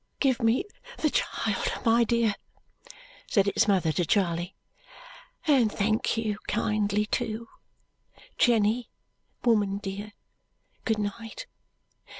"Give me the child, my dear," said its mother to Charley, "and thank you kindly too! Jenny, woman dear, good night!